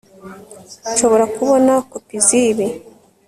Nshobora kubona kopi zibi